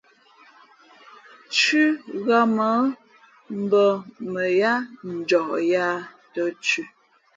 Thʉ́ ghāmα̌ mbᾱ mα yáá njαh yāā tα̌ thʉ̄.